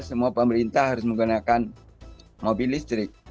semua pemerintah harus menggunakan mobil listrik